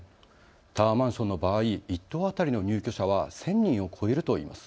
タワーマンションの場合、１棟当たりの入居者は１０００人を超えるといいます。